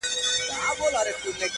• خو له دې بې شرفۍ سره په جنګ یم_